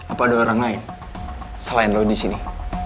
apa ada orang lain selain lo disini